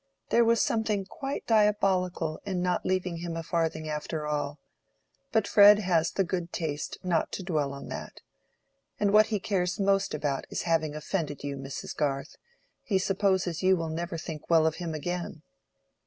There was something quite diabolical in not leaving him a farthing after all. But Fred has the good taste not to dwell on that. And what he cares most about is having offended you, Mrs. Garth; he supposes you will never think well of him again."